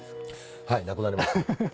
はいなくなりました。